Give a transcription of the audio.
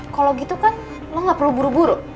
kalau gitu kan lo gak perlu buru buru